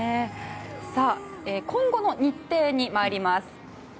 今後の日程に参ります。